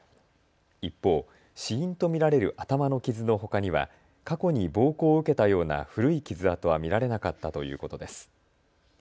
一方、死因と見られる頭の傷のほかには過去に暴行を受けたような古い傷痕は見られなかったということです。